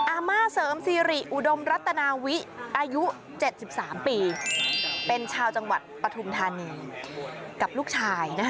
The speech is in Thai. อาม่าเสริมซีริอุดมรัตนาวิอายุ๗๓ปีเป็นชาวจังหวัดปฐุมธานีกับลูกชาย